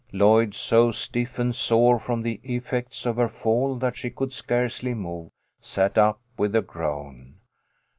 Lloyd, so stiff and sore from the effects of her fall that she could scarcely move, sat up with a groan.